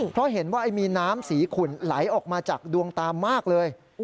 เพราะเห็นว่ามีน้ำสีขุ่นไหลออกมาจากดวงตามากเลย